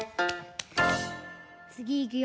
つぎいくよ。